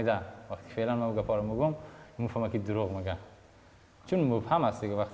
kata kata yang saya inginkan saya mengerti